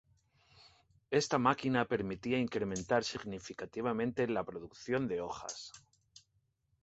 Esta máquina permitía incrementar significativamente la producción de hojas.